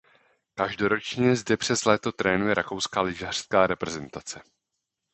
Každoročně zde přes léto trénuje rakouská lyžařská reprezentace.